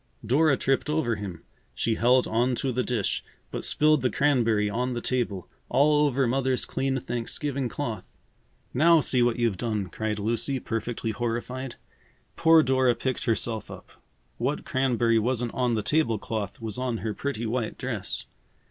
Dora tripped over him. She held on to the dish, but spilled the cranberry on the table, all over Mother's clean Thanksgiving cloth! "Now, see what you've done!" cried Lucy, perfectly horrified. Poor Dora picked herself up. What cranberry wasn't on the table cloth was on her pretty white dress.